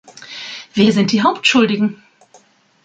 Wer sind die Hauptschuldigen?